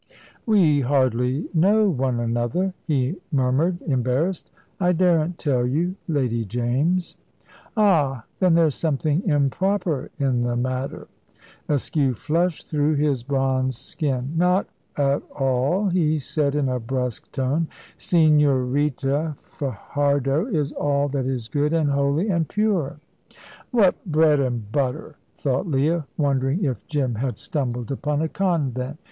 "We hardly know one another," he murmured, embarrassed. "I daren't tell you, Lady James." "Ah! Then there's something improper in the matter?" Askew flushed through his bronzed skin. "Not at all," he said in a brusque tone. "Señorita Fajardo is all that is good and holy and pure." "What bread and butter!" thought Leah, wondering if Jim had stumbled upon a convent.